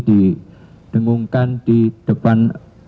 didengungkan di depan